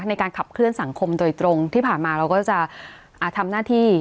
ในการขับเคลื่อนสังคมโดยตรงที่ผ่านมาเราก็จะทำหน้าที่